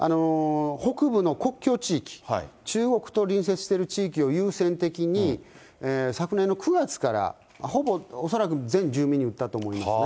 北部の国境地域、中国と隣接している地域を優先的に、昨年の９月から、ほぼ、恐らく全住民に打ったと思いますね。